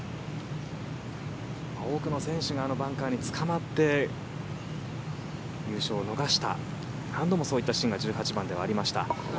多くの選手があのバンカーにつかまって優勝を逃した何度もそういったシーンが１８番にはありました。